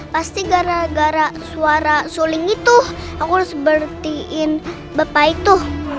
pasti gara gara suara suling itu aku sepertiin bapak itu